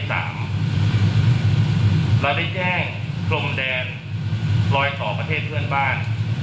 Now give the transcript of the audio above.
เราได้แจ้งกรมแดนรอยต่อประเทศเพื่อนบ้าน